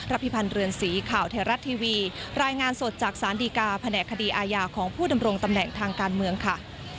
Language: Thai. พิพันธ์เรือนสีข่าวไทยรัฐทีวีรายงานสดจากสารดีกาแผนกคดีอาญาของผู้ดำรงตำแหน่งทางการเมืองค่ะ